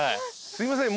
すいません